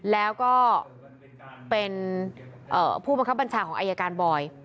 แล้วก็เป็นผู้บังคับบัญชาของอายการบอย